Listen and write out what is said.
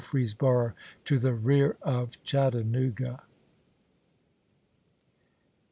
freesboro to the rear of Chattanooga.